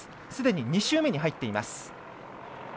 すでに２周目に入っています。